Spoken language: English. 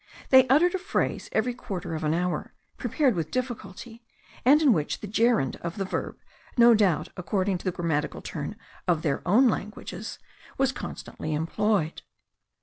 They uttered a phrase every quarter of an hour, prepared with difficulty, and in which the gerund of the verb, no doubt according to the grammatical turn of their own languages, was constantly employed.